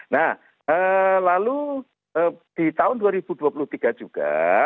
nah lalu di tahun dua ribu dua puluh tiga juga